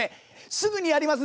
すぐにやりますんで。